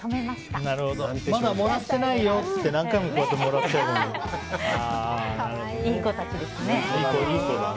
まだもらってないよっていい子たちですね。